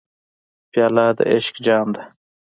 پیاله د عشق جام ده.